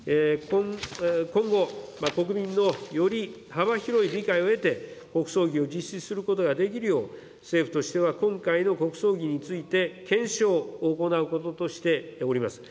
今後、国民のより幅広い理解を得て、国葬儀を実施することができるよう、政府としては今回の国葬儀について検証を行うこととしております。